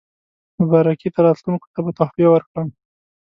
مبارکۍ ته راتلونکو ته به تحفې ورکړم.